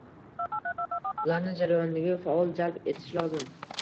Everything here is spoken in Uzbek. Ularni jarayoniga faol jalb etish lozim